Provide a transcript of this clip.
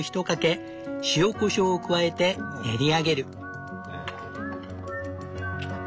１かけ塩・こしょうを加えて練り上げる。